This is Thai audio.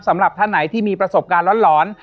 สำหรับท่านไหนที่มีประสบการณ์หลอน